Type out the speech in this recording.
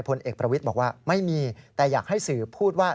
พลเอกประวิทย์บอกว่าไม่มีแต่อยากให้สื่อพูดว่า